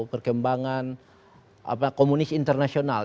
perkembangan komunis internasional